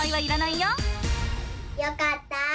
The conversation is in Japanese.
よかった！